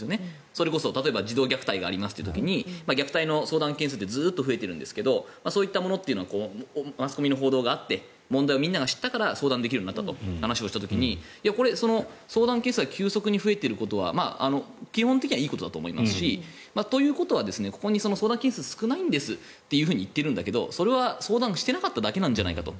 それこそ、例えば児童虐待がありますという時に虐待の相談件数ってずっと増えてるんですけどそういったものというのはマスコミの報道があって問題をみんなが知ったから相談できるようになったという時にこれ、相談件数が急速に増えていることは基本的にはいいことだと思いますしということは相談件数が少ないですって言っているんだけどそれは相談していなかっただけじゃないかと。